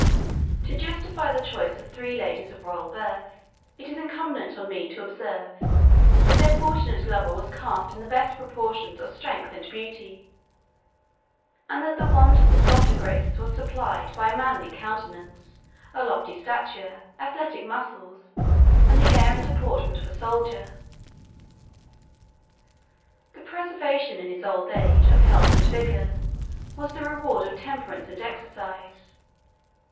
To justify the choice of three ladies of royal birth, it is incumbent on me to observe, that their fortunate lover was cast in the best proportions of strength and beauty; and that the want of the softer graces was supplied by a manly countenance, a lofty stature, athletic muscles, and the air and deportment of a soldier. The preservation, in his old age, of health and vigor, was the reward of temperance and exercise.